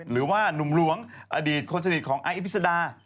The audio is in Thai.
หรือว่านุ่มหลวงอดีตคนสนิทของอาอิพิสดา